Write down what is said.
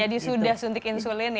jadi sudah suntik insulin ya